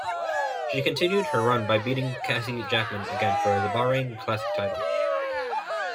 She continued her run by beating Cassie Jackman again for the Bahrain Classic Title.